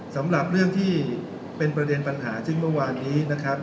สำหรับเรื่องที่เป็นประเด็นปัญหาซึ่งเมื่อวานนี้นะครับ